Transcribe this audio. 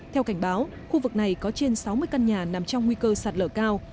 theo cảnh báo khu vực này có trên sáu mươi căn nhà nằm trong nguy cơ sạt lở cao